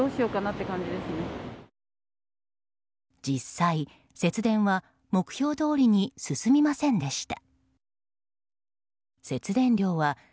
実際、節電は目標どおりに進みませんでした。